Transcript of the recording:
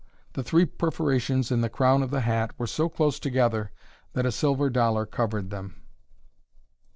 The three perforations in the crown of the hat were so close together that a silver dollar covered them.